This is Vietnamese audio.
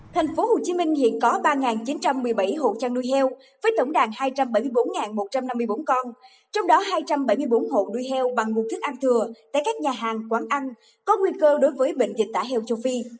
tp hcm hiện có ba chín trăm một mươi bảy hộ trang nuôi heo với tổng đàn hai trăm bảy mươi bốn một trăm năm mươi bốn con trong đó hai trăm bảy mươi bốn hộ nuôi heo bằng nguồn thức ăn thừa tại các nhà hàng quán ăn có nguy cơ đối với bệnh dịch tả heo châu phi